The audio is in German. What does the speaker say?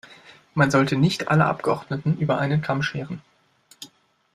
Man sollte nicht alle Abgeordneten über einen Kamm scheren.